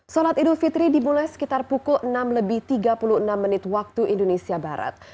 solat idul fitri dimulai sekitar pukul enam tiga puluh enam waktu indonesia barat